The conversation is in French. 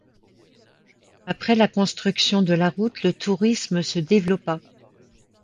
Après la construction de la route, le tourisme se développa.